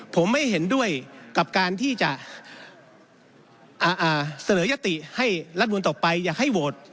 ผมไม่เห็นด้วยกับการที่จะเสนอยติให้รัฐมนุนต่อไปอยากให้โหวต